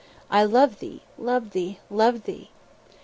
I love thee, love thee, love thee!"